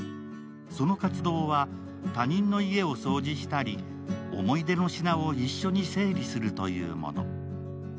その活動は他人の家を掃除したり思い出の品を一緒に整理するというもの。